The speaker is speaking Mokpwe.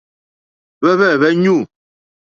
Hwɛ́hwɛ̂hwɛ́ ɲû.